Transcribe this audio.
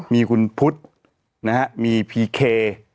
มีคุณพุทธนะฮะมีพีเค